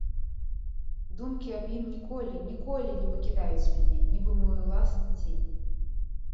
Думкі аб ім ніколі, ніколі не пакідаюць мяне, нібы мой уласны цень.